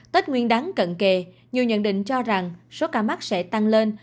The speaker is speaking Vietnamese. tết nguyên đáng cận kề nhiều nhận định cho rằng số ca mắc sẽ tăng lên